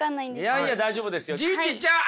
いやいや大丈夫ですよ。